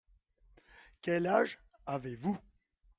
Quel âge avez-vous.